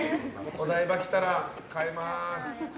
お台場来たら買えまーす。